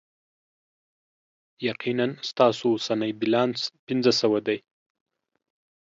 یقینا، ستاسو اوسنی بیلانس پنځه سوه دی.